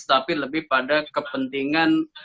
tapi lebih pada kepentingan